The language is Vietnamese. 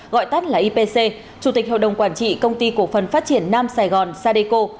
gọi tắt là ipc chủ tịch hội đồng quản trị công ty cổ phần phát triển nam sài gòn sadeco